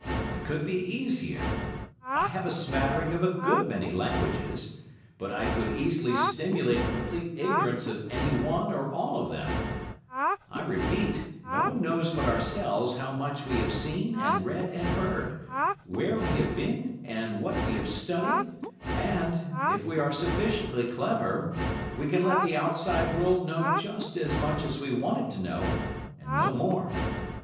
What could be easier? I have a smattering of a good many languages, but I could easily stimulate complete ignorance of any one or all of them; I repeat, no one knows but ourselves how much we have seen, and read, and heard, where we have been, and what we have studied, and, if we are sufficiently clever, we can let the outside world know just as much as we want it to know and no more.